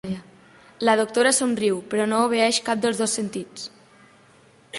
La doctora somriu, però no obeeix cap dels dos sentits.